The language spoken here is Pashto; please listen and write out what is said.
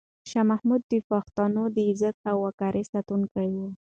شاه محمود د پښتنو د عزت او وقار ساتونکی و.